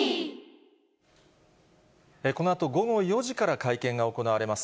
このあと午後４時から会見が行われます。